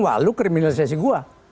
wah lu kriminalisasi gua